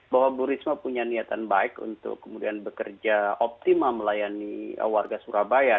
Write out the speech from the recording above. bahwa bu risma punya niatan baik untuk kemudian bekerja optimal melayani warga surabaya